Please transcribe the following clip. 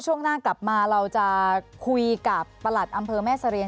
ช่วงหน้ากลับมาเราจะคุยกับประหลัดอำเภอแม่เสรียง